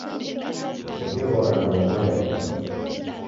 Usekeghora ndoughorelo